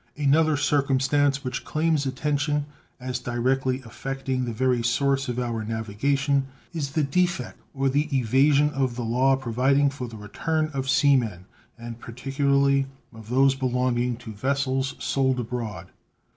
Another circumstance which claims attention as directly affecting the very source of our navigation is the defect or the evasion of the law providing for the return of sea men, and particularly of those belonging to vessels sold abroad.